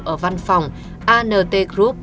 ở văn phòng ant group